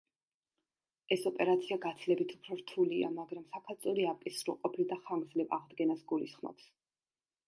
ეს ოპერაცია გაცილებით უფრო რთულია, მაგრამ საქალწულე აპკის სრულყოფილ და ხანგრძლივ აღდგენას გულისხმობს.